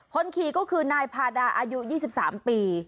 คนขี่ก็คือนายพาดาอายุ๒๓ปี